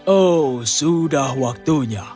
oh sudah waktunya